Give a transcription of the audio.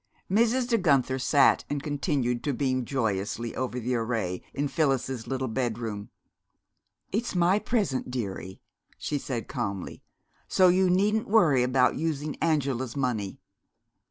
Mrs. De Guenther sat and continued to beam joyously over the array, in Phyllis's little bedroom. "It's my present, dearie," she said calmly. "So you needn't worry about using Angela's money.